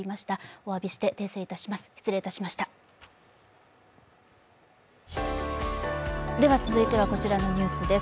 おわびして訂正いたします。